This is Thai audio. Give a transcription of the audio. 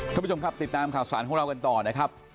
คุณผู้ชมครับติดตามข่าวสารของเรากันต่อนะครับ